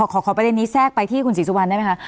ขอประเด็นนี้แทรกไปที่คุณศรีสุวรรณได้ไหมคะ